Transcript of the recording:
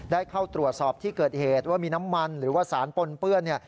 ได้เข้าตรวจสอบที่เกิดเหตุว่ามีน้ำมันหรือว่าสารปนเปื้อน